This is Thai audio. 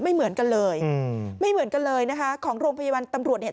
ไม่เหมือนกันเลยอืมไม่เหมือนกันเลยนะคะของโรงพยาบาลตำรวจเนี่ย